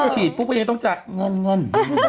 เฉียนแปลกไปก็ยังต้องจัดเงินเงิน